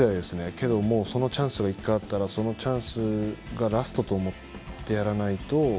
けど、そのチャンスが１回あったら、そのチャンスがラストと思ってやらないと。